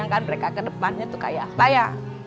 bayangkan mereka ke depannya itu kayak apa ya